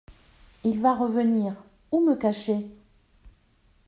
Il va revenir… où me cacher ?